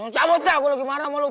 cabut ya gue lagi marah sama lu